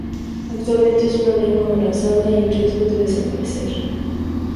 Actualmente, es una lengua amenazada y en riesgo de desaparecer.